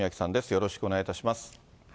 よろしくお願いします。